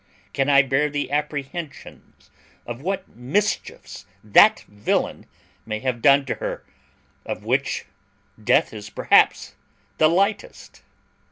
Can I bear the apprehensions of what mischiefs that villain may have done to her, of which death is perhaps the lightest?"